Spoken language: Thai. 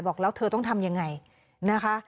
บอกแล้วเธอต้องทำยังไงนะคะ